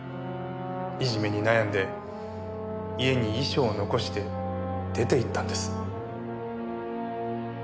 いじめに悩んで家に遺書を残して出て行ったんです。